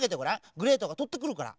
グレートがとってくるから。